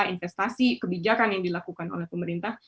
investasi kebijakan yang dilakukan oleh pemerintah